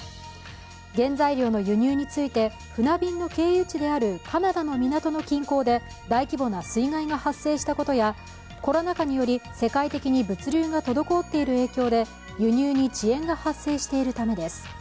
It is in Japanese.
原材料の輸入について船便の経由地であるカナダの港の近郊で大規模な水害が発生したことや、コロナ禍により世界的に物流が滞っている影響で輸入に遅延が発生しているためです。